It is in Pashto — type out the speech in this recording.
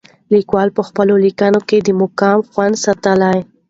لیکوال په خپلو لیکنو کې دا مقام خوندي ساتلی.